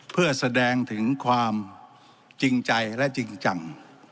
เพื่อแสดงถึงความจริงใจและจริงจัง